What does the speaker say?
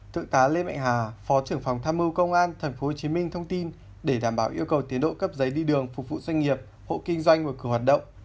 thượng tá lê mạnh hà phó trưởng phòng tham mưu công an tp hcm thông tin để đảm bảo yêu cầu tiến độ cấp giấy đi đường phục vụ doanh nghiệp hộ kinh doanh mở cửa hoạt động